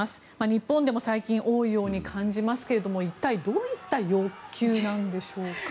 日本でも最近多いように感じますけれども一体どういった欲求なんでしょうか。